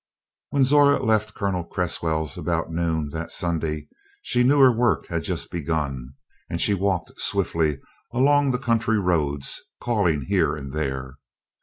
When Zora left Colonel Cresswell's about noon that Sunday she knew her work had just begun, and she walked swiftly along the country roads, calling here and there.